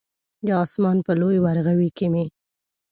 د اسمان په لوی ورغوي کې مې